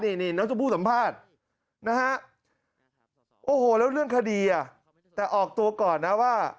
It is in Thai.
นี่น้องชมพู่สัมภาษณ์นะฮะโอ้โหแล้วเรื่องคดีอ่ะแต่ออกตัวก่อนนะว่า